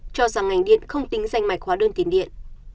cho rằng ngành điện không tính danh mạch hóa đơn tiền điện